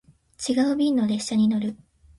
違う便の列車に乗る